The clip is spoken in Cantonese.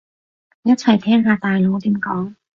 一齊聽下大佬點講